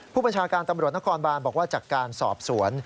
ผู้บัญชาการตำรวจนครบานบอกว่าจากการสอบสวน